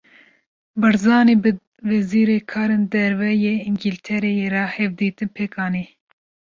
Barzanî, bi Wezîrê Karên Derve yê Îngîltereyê re hevdîtin pêk anî